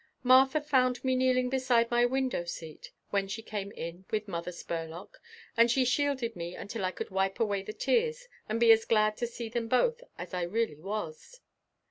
Martha found me kneeling beside my window seat when she came in with Mother Spurlock and she shielded me until I could wipe away the tears and be as glad to see them both as I really was.